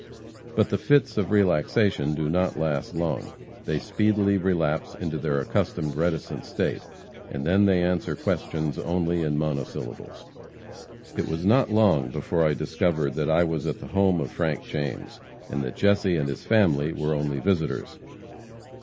But the fits of relaxation do not last long. They speedily relapse into their accustomed reticent state, and then they answer questions only in monosyllables. "It was not long before I discovered that I was at the home of Frank James, and that Jesse and his family were only visitors.